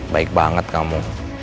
baik banget kamu